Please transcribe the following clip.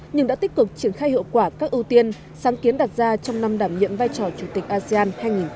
nhưng đã tích cực triển khai hiệu quả các ưu tiên sáng kiến đặt ra trong năm đảm nhiệm vai trò chủ tịch asean hai nghìn hai mươi